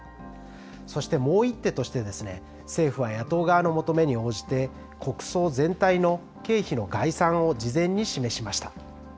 そしてもう一手として、政府は野党側の求めに応じて、国葬全体の経費の概算を事前に示しました。